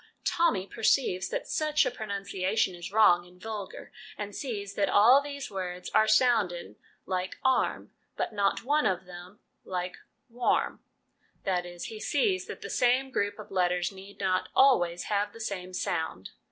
Tommy perceives that such a pronunciation is wrong and vulgar, and sees LESSONS AS INSTRUMENTS OF EDUCATION 221 that all these words are sounded like ' arm,' but not one of them like 'warm' that is, he sees that the same group of letters need not always have the same sound.